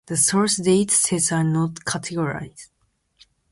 The source data sets are not cataloged.